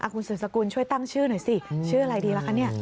คุณสืบสกุลช่วยตั้งชื่อหน่อยสิชื่ออะไรดีล่ะคะเนี่ย